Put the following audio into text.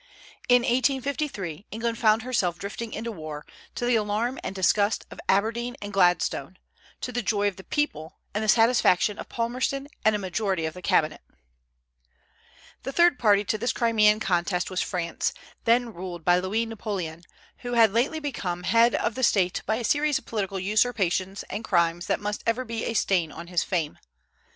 In 1853 England found herself drifting into war, to the alarm and disgust of Aberdeen and Gladstone, to the joy of the people and the satisfaction of Palmerston and a majority of the cabinet. The third party to this Crimean contest was France, then ruled by Louis Napoleon, who had lately become head of the State by a series of political usurpations and crimes that must ever be a stain on his fame.